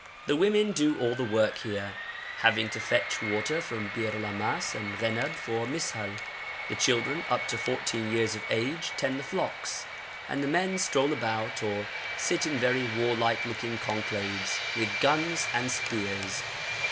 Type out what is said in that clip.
The women do all the work here, having to fetch water from Bir Lammas and Ghenab for Mis'hal. The children, up to fourteen years of age, tend the flocks, and the men stroll about or sit in very warlike looking conclaves, with guns and spears.